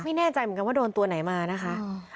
ไม่แน่ใจเหมือนกันว่าโดนตัวไหนมานะคะ